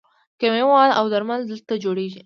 کیمیاوي مواد او درمل دلته جوړیږي.